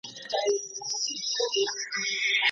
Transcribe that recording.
پر اوږو د وارثانو جنازه به دي زنګیږي